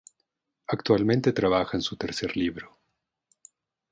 Actualmente trabaja en su tercer libro.